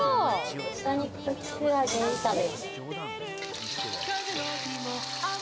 豚肉とキクラゲ炒め。